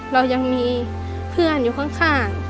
เรายังมีเพื่อนอยู่ข้าง